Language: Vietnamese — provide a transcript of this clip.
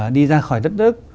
đi ra khỏi đất nước